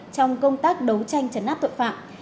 trong công tác đấu tranh chấn nát tội phạm